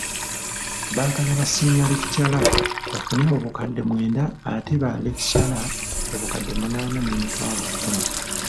Baagala ba siniya lecturer bafune obukadde mwenda ate ba lecturer obukadde munaana n'emitwalo kumi.